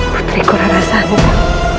putriku rara santa